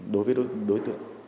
đối với đối tượng